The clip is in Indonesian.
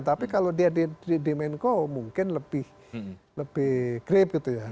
tapi kalau dia jadi menko mungkin lebih grip gitu ya